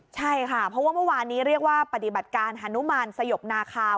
ใช่ค่ะเพราะว่าเมื่อวานนี้เรียกว่าปฏิบัติการฮานุมานสยบนาคาว